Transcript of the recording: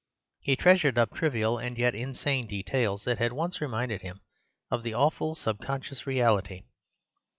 He treasured up trivial and yet insane details that had once reminded him of the awful subconscious reality.